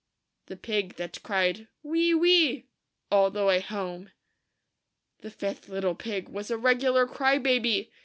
THE PIG THAT CRIED "WEE WEE;' ALL THE WAY HOME. The fifth little pig was a regular cry baby.